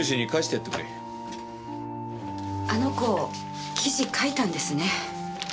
あの子記事書いたんですね。